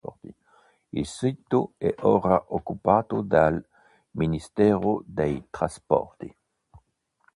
Il sito è ora occupato dal Ministero dei Trasporti.